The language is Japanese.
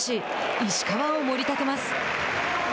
石川をもり立てます。